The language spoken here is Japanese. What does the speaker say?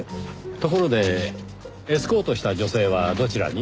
ところでエスコートした女性はどちらに？